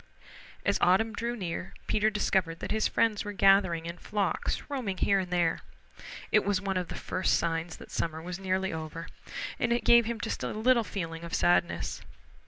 As autumn drew near Peter discovered that his friends were gathering in flocks, roaming here and there. It was one of the first signs that summer was nearly over, and it gave him just a little feeling of sadness.